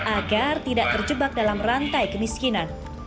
agar tidak terjebak dalam rantai kemiskinan